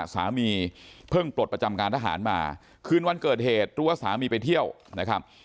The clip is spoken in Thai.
สามีเพิ่งปลดประจำการทหารมาคืนวันเกิดเหตุรู้ว่าสามีไปเที่ยวนะครับ